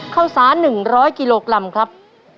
ข้าวสาร๑๐๐กิโลกรัมครับ